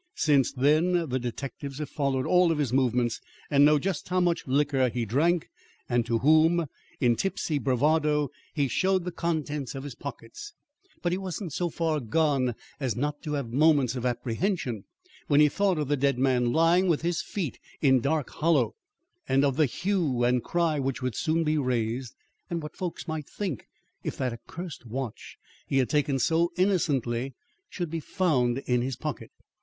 Since then, the detectives have followed all his movements and know just how much liquor he drank and to whom, in tipsy bravado, he showed the contents of his pockets. But he wasn't so far gone as not to have moments of apprehension when he thought of the dead man lying with his feet in Dark Hollow, and of the hue and cry which would soon be raised, and what folks might think if that accursed watch he had taken so innocently should be found in his pocket.